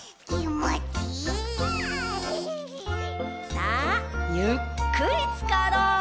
さあゆっくりつかろう！